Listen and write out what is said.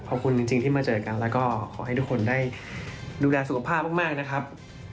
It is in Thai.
ขอบคุณจริงที่มาเจอกันแล้วก็ขอให้ทุกคนได้ดูแลสุขภาพมากนะครับ